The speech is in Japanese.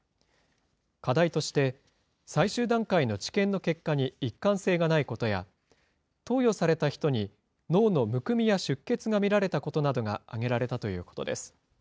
課題として、最終段階の治験の結果に一貫性がないことや、投与された人に脳のむくみや出血が見られたことなどが挙げられたということです。